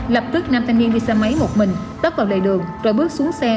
lập tức nam thanh niên đi xe máy một mình tấp vào lề đường rồi bước xuống xe